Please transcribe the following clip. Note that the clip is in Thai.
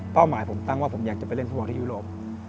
หมายผมตั้งว่าผมอยากจะไปเล่นฟุตบอลที่ยุโรป